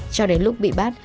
cho đến lúc bị bắt